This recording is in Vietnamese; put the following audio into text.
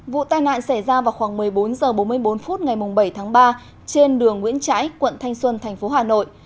vụ tai nạn xảy ra vào khoảng một mươi bốn h bốn mươi bốn phút ngày bảy tháng ba trên đường nguyễn trãi quận thanh xuân thành phố hà nội